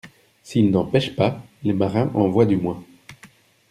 —S'ils n'en pêchent pas, les marins en voient du moins.